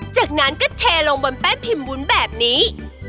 จากนั้นก็เทลงบนแป้นพิมพ์วุ้นแบบนี้